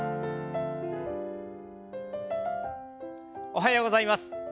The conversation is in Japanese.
おはようございます。